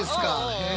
へえ。